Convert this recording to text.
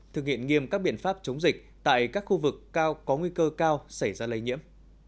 thực hiện nghiêm các biện pháp chống dịch tại các khu vực cao có nguy cơ cao xảy ra lây nhiễm